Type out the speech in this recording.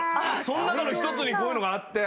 その中の一つにこういうのがあって。